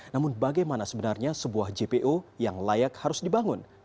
namun bagaimana sebenarnya sebuah jpo yang layak harus dibangun